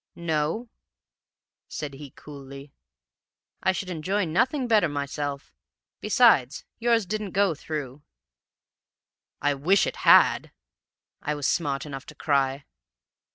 "'No?' said he, coolly. 'I should enjoy nothing better, myself; besides, yours didn't go through.' "'I wish it had!' I was smart enough to cry.